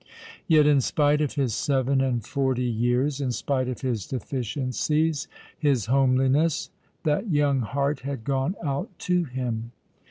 Yet, in spite of his seven and forty years, in spite of his deficiencies, his homeliness, that young heart had gone out to him.